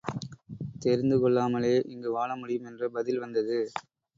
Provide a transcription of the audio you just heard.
தெரிந்து கொள்ளாமலே இங்கு வாழ முடியும் என்ற பதில் வந்தது.